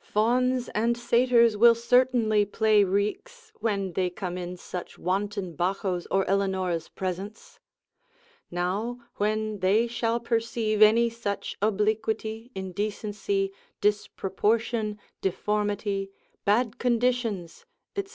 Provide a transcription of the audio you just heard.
Fauns and satyrs will certainly play reaks, when they come in such wanton Baccho's or Elenora's presence. Now when they shall perceive any such obliquity, indecency, disproportion, deformity, bad conditions, &c.